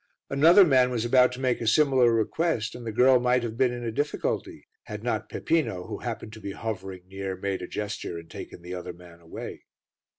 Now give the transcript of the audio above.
Another man was about to make a similar request and the girl might have been in a difficulty had not Peppino, who happened to be hovering near, made a gesture and taken the other man away.